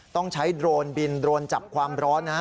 ต้องใช้โดรนบินโรนจับความร้อนนะฮะ